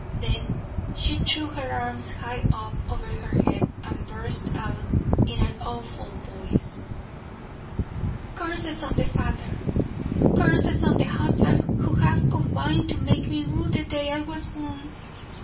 Then she threw her arms high up over her head and burst out in an awful voice: "Curses on the father, curses on the husband, who have combined to make me rue the day I was born!